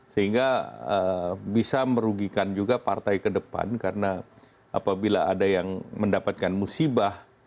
sehingga bisa merugikan juga partai ke depan karena apabila ada yang mendapatkan musibah